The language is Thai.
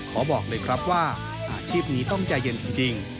บอกเลยครับว่าอาชีพนี้ต้องใจเย็นจริง